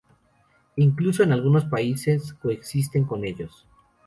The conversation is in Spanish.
Incluso en algunos países coexiste con ellos.